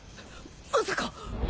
まさか！